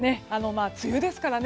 梅雨ですからね。